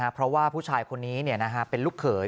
เพราะว่าผู้ชายคนนี้เป็นลูกเขย